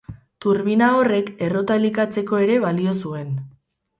Turbina horrek errota elikatzeko ere balio zuen.